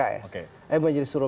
untuk cawapres ya